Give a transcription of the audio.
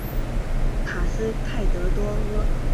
卡斯泰德多阿。